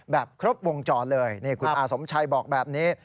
ครบวงจรเลยนี่คุณอาสมชัยบอกแบบนี้